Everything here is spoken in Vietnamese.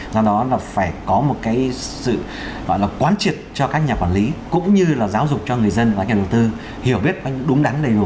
do đó là phải có một cái sự gọi là quán triệt cho các nhà quản lý cũng như là giáo dục cho người dân và nhà đầu tư hiểu biết đúng đắn đầy đủ